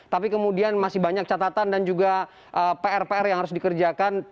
tapi kemudian masih banyak catatan dan juga pr pr yang harus dikerjakan